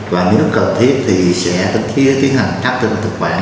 và nếu cần thiết thì sẽ tiến hành hấp thức thực quản